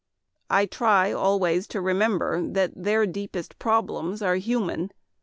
I try always to remember that their deepest problems are human.